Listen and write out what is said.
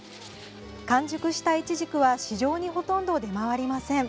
完熟したいちじくは市場にほとんど出回りません。